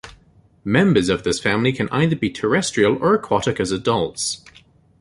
Members of this family can either be terrestrial or aquatic as adults.